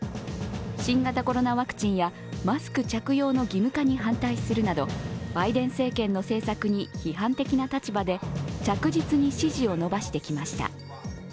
新型コロナワクチンやマスク着用の義務化に反対するなどバイデン政権の政策に批判的な立場で着実に支持を伸ばしてきました。